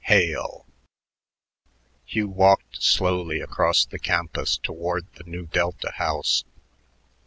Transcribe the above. Hail!" Hugh walked slowly across the campus toward the Nu Delta house.